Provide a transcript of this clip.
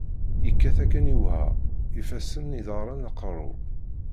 yekkat akken iweɛa, ifassen, iḍaren, aqeṛṛu.